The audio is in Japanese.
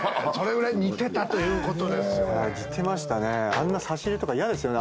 あんな差し入れとか嫌ですよね。